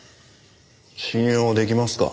信用出来ますか？